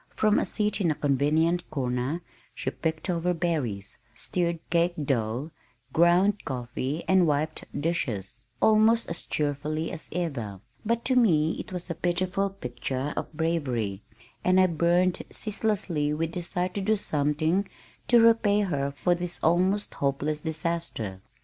From a seat in a convenient corner she picked over berries, stirred cake dough, ground coffee and wiped dishes, almost as cheerfully as ever, but to me it was a pitiful picture of bravery, and I burned ceaselessly with desire to do something to repay her for this almost hopeless disaster.